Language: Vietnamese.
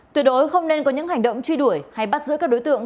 tuyệt đối không nên có những hành động truy đuổi hay bắt giữ các đối tượng